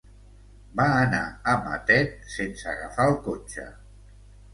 Va anar a Matet sense agafar el cotxe.